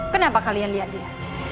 kenapa kalian lihat dia